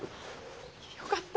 よかった。